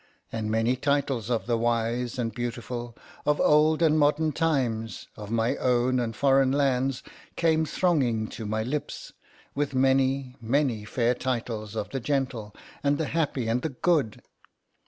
And many titles of the wise and beautiful, of old and modern times, of my own and foreign lands, came thronging to my lips, with many, many fair titles of the gentle, and the happy, and the good.